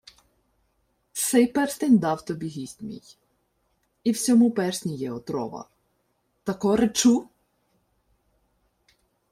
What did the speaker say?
— Сей перстень дав тобі гість мій. І в сьому персні є отрова. Тако речу?